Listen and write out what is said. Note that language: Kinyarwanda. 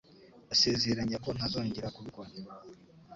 Ndasezeranya ko ntazongera kubikora.